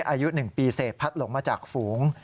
อายุ๑ปีเศษพัดหลงมาจากฝูง